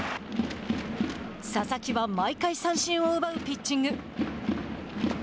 佐々木は毎回三振を奪うピッチング。